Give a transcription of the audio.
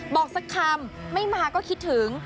บอกสักคำไม่มาก็คิดถึง